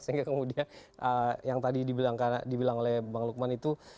sehingga kemudian yang tadi dibilang oleh bang lukman itu